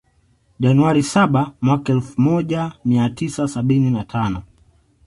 Januari saba Mwaka elfu moja mia tisa sabini na tano